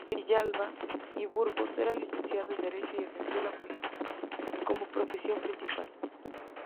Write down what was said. Villalba y Burgos era licenciado en derecho y ejerció la política como profesión principal.